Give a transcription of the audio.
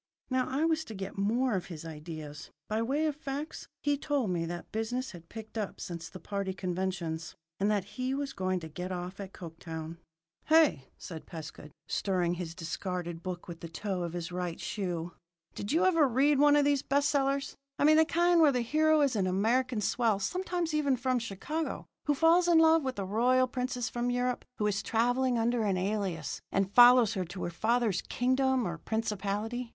Now I was to get more of his ideas. By way of facts, he told me that business had picked up since the party conventions, and that he was going to get off at Coketown. II "Say," said Pescud, stirring his discarded book with the toe of his right shoe, "did you ever read one of these best sellers? I mean the kind where the hero is an American swell sometimes even from Chicago who falls in love with a royal princess from Europe who is travelling under an alias, and follows her to her father's kingdom or principality?